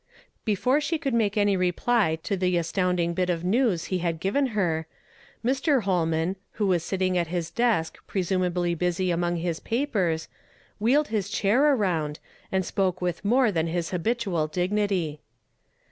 Before she could make any reply to the astound ing bit of news he had given her, Mr. Holman, who was sitting at his desk presumably busy among his papers, wheeled his chair around, and spoke with more than his habitual dignity.